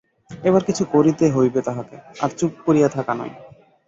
এবার কিছু করিতে হইবে তাহাকে, আর চুপ করিয়া থাকা নয়।